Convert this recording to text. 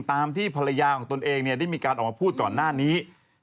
ตามที่ภรรยาของตนเองได้มีการออกมาพูดก่อนหน้านี้